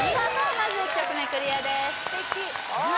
まず１曲目クリアですさあ